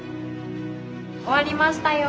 終わりましたよ。